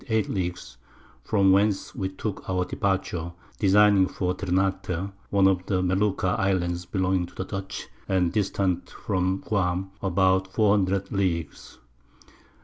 8 Leagues, from whence we took our Departure, designing for Ternate, one of the Melucca Islands belonging to the Dutch, and distant from Guam, about 400 Leagues.